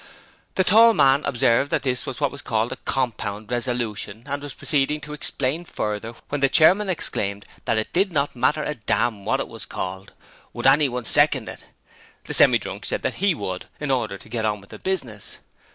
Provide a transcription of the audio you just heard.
The tall man observed that this was what was called a compound resolution, and was proceeding to explain further when the chairman exclaimed that it did not matter a dam' what it was called would anyone second it? The Semi drunk said that he would in order to get on with the business.